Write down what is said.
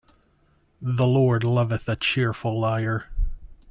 The Lord loveth a cheerful liar.